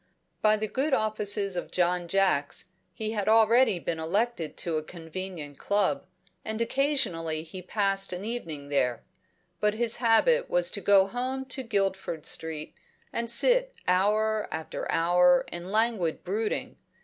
By the good offices of John Jacks he had already been elected to a convenient club, and occasionally he passed an evening there; but his habit was to go home to Guildford Street, and sit hour after hour in languid brooding.